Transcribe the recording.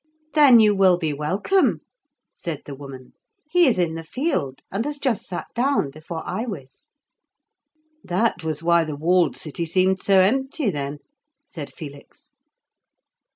"Then you will be welcome," said the woman. "He is in the field, and has just sat down before Iwis." "That was why the walled city seemed so empty, then." said Felix.